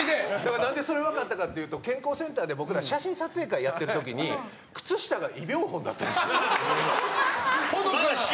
何でそれが分かったかというと健康センターで僕ら写真撮影会をやってる時に靴下がイ・ビョンホンだったんですよ。